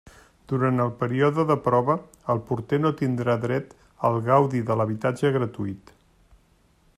Durant el període de prova el porter no tindrà dret al gaudi de l'habitatge gratuït.